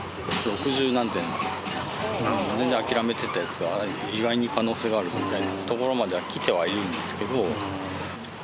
全然諦めてたやつが意外に可能性があるぞみたいなところまでは来てはいるんですけど。